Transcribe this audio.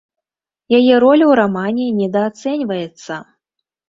Яе роля ў рамане недаацэньваецца.